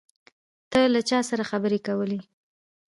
ته له چا سره خبرې کولې؟